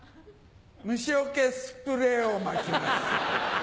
ムシ除けスプレーをまきます。